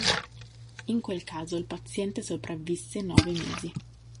In quel caso il paziente sopravvisse nove mesi.